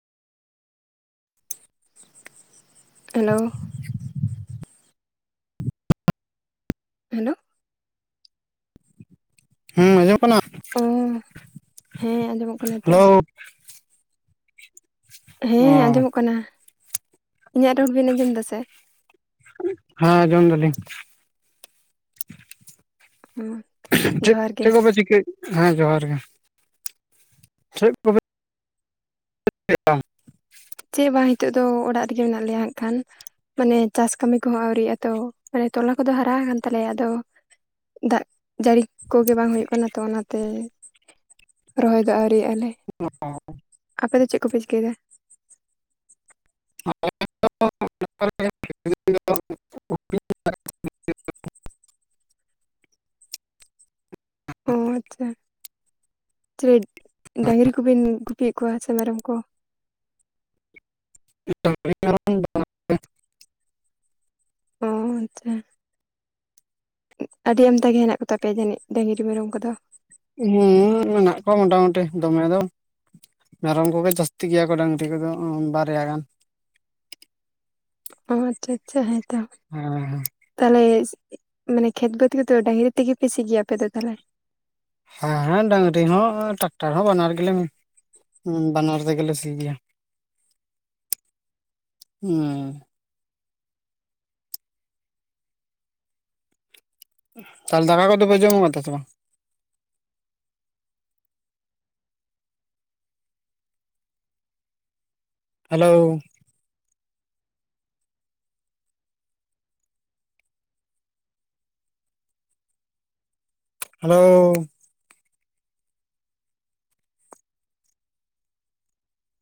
Hello. Hello? ᱦᱩᱸ ᱟᱸᱡᱚᱢᱚᱜ ᱠᱟᱱᱟ? ᱚ ᱦᱮᱸ ᱟᱸᱡᱚᱢᱚᱜ ᱠᱟᱱᱟ ᱦᱤᱛᱚᱜ ᱦᱮᱞᱳ ᱫᱚ᱾ ᱚ ᱦᱮᱸ ᱟᱸᱡᱚᱢᱚᱜ ᱠᱟᱱᱟ, ᱤᱧᱟᱹᱜ ᱨᱚᱲ ᱵᱮᱱ ᱟᱸᱡᱚᱢ ᱫᱟ ᱥᱮ? ᱦᱮᱸ ᱟᱸᱡᱚᱢ ᱫᱟᱞᱤᱧ᱾ ᱚ᱾ ᱪᱮᱫ ᱪᱮᱫ ᱠᱚᱯᱮ ᱪᱤᱠᱟᱹ, ᱦᱮᱸ ᱡᱚᱦᱟᱨ ᱜᱮ ᱪᱮᱫ ᱠᱚᱯᱮ [inaudible] ᱪᱮᱫ ᱵᱟᱝ ᱱᱤᱛᱚᱜ ᱫᱚ ᱚᱲᱟᱜ ᱨᱮᱜᱮ ᱢᱮᱱᱟᱜ ᱞᱮᱭᱟ ᱦᱟᱸᱜ ᱠᱷᱟᱱ᱾ ᱢᱟᱱᱮ ᱪᱟᱥ ᱠᱟᱹᱢᱤ ᱠᱚᱦᱚᱸ ᱟᱹᱣᱨᱤᱭᱟᱜ-ᱟ ᱛᱚ, ᱢᱟᱱᱮ ᱛᱚᱞᱟ ᱠᱚᱫᱚ ᱦᱟᱨᱟ ᱟᱠᱟᱱ ᱛᱟᱞᱮᱭᱟ ᱟᱫᱚ ᱫᱟᱜ ᱡᱟᱹᱲᱤ ᱠᱚᱜᱮ ᱵᱟᱝ ᱦᱩᱭᱩᱜ ᱠᱟᱱᱟ ᱛᱚ ᱚᱱᱟᱛᱮ ᱨᱚᱦᱚᱭ ᱫᱚ ᱟᱹᱣᱨᱤᱭᱟᱜᱼᱟ ᱞᱮ, ᱟᱯᱮ ᱫᱚ ᱪᱮᱫ ᱠᱚᱯᱮ ᱪᱤᱠᱟᱹᱭᱫᱟ? [inaudible] ᱚ ᱟᱪᱪᱷᱟ, ᱪᱤᱞᱤ ᱰᱟᱝᱨᱤ ᱠᱚᱵᱮᱱ ᱜᱩᱯᱤᱭᱮᱫ ᱠᱚᱣᱟ ᱥᱮ ᱢᱮᱨᱚᱢ ᱠᱚ? [inaudible] ᱦᱮᱸ ᱚ ᱟᱪᱪᱷᱟ᱾ ᱩᱸᱜ ᱟᱹᱰᱤ ᱟᱢᱫᱟ ᱜᱮ ᱦᱮᱱᱟᱜ ᱠᱚᱛᱟᱯᱮᱭᱟ ᱡᱟᱹᱱᱤᱡ ᱰᱟᱝᱨᱤ ᱢᱮᱨᱚᱢ ᱠᱚᱫᱚ? ᱦᱩᱸ ᱢᱮᱱᱟᱜ ᱠᱚᱣᱟ ᱢᱚᱴᱟᱢᱩᱴᱤ, ᱫᱚᱢᱮ ᱫᱚ ᱵᱟᱝ᱾ ᱢᱮᱨᱚᱢ ᱠᱚᱜᱮ ᱡᱟᱹᱥᱛᱤ ᱜᱮᱭᱟ ᱠᱚ ᱰᱟᱝᱨᱤ ᱠᱚᱫᱚ ᱚ ᱵᱟᱨᱭᱟ ᱜᱟᱱ᱾ ᱚ ᱟᱪᱪᱷᱟ ᱟᱪᱪᱷᱟ ᱦᱮᱸ ᱛᱚ᱾ ᱦᱮᱸ ᱛᱟᱦᱚᱞᱮ ᱢᱟᱱᱮ ᱠᱷᱮᱛ ᱵᱟᱹᱛ ᱠᱚᱫᱚ ᱰᱟᱹᱟᱝᱨᱤ ᱛᱮᱜᱮ ᱯᱮ ᱥᱤ ᱜᱮᱭᱟ ᱟᱯᱮ ᱫᱚ ᱛᱟᱦᱚᱞᱮ? ᱦᱮᱸ ᱦᱮᱸ ᱰᱟᱝᱨᱤ ᱦᱚᱸ ᱴᱨᱟᱠᱴᱟᱨ ᱦᱚᱸ ᱵᱟᱱᱟᱨ ᱜᱮᱞᱮ ᱩᱸ ᱵᱟᱱᱟᱨ ᱛᱮᱜᱮᱞᱮ ᱥᱤᱭ ᱜᱮᱭᱟ ᱩᱸ᱾ ᱛᱟᱦᱚᱞᱮ ᱫᱟᱠᱟ ᱠᱚᱫᱚ ᱯᱮ ᱡᱚᱢᱚᱜ ᱠᱟᱫᱟ ᱥᱮ ᱵᱟᱝ? ᱦᱮᱞᱳ᱾ ᱦᱮᱞᱳ᱾